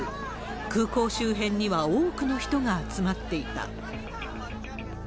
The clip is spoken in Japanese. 空港周辺には多くの人が集まっていた。